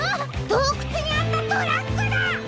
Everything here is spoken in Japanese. どうくつにあったトラックだ！